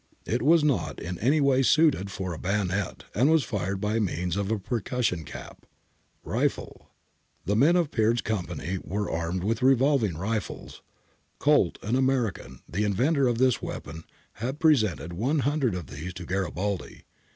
It was not in any way suited for a bayonet and was fired by means of a percus sion cap.' 'Rifle. — The men of Peard's Company were armed with revolving rifles. Colt, an American, the inventor of this weapon, had presented 100 of these to Garibaldi.